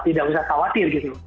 tidak usah khawatir gitu